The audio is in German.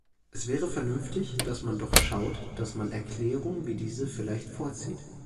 Es wäre vernünftig, dass man doch schaut, dass man Erklärungen wie diese vielleicht vorzieht.